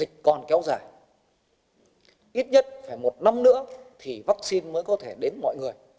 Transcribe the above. ít nhất phải một năm nữa thì vaccine mới có thể đến mọi người